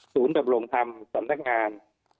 ศูนย์ดำรงธรรมสำนักงาน